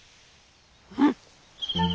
うん！？